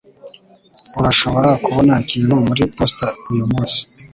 Urashobora kubona ikintu muri posita uyumunsi